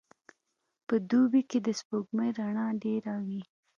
په دوبي کي د سپوږمۍ رڼا ډېره وي.